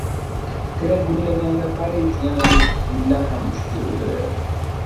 • Terak gullaganda pari uchganidek yillar ham uchib o‘taveradi.